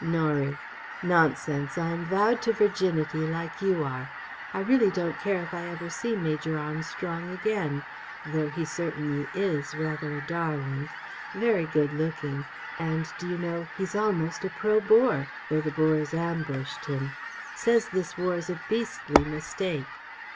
Norie: "Nonsense! I'm vowed to virginity, like you are ... I really don't care if I never see Major Armstrong again ... though he certainly is rather a darling ... very good looking ... and, d'you know, he's almost a Pro Boer, though the Boers ambushed him.... Says this war's a beastly mistake....